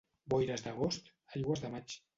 Boires d'agost, aigües de maig.